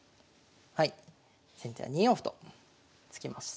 はい先手は２四歩と突きます。